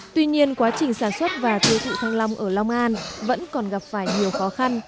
tuy nhiên quá trình sản xuất và tiêu thụ thăng long ở long an vẫn còn gặp phải nhiều khó khăn